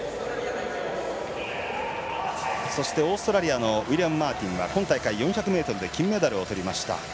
オーストラリアのウィリアム・マーティンは今大会４００ｍで金メダルをとりました。